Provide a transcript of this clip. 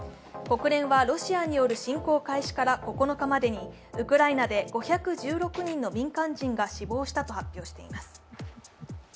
国連はロシアによる侵攻開始から９日までにウクライナで５１６人の民間人が死亡したと発表しています。